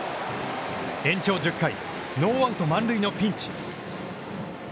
延長１０回、ノーアウト満塁のピンチ。